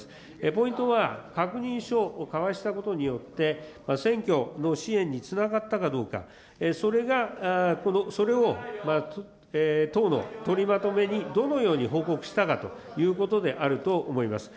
ポイントは、確認書を交わしたことによって、選挙の支援につながったかどうか、それが、それを党の取りまとめにどのように報告したかということであります。